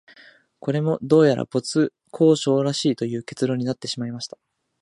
これも、どうやら没交渉らしいという結論になってしまいました